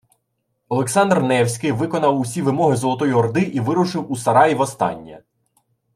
Олександр Невський виконав усі вимоги Золотої Орди і вирушив у Сарай востаннє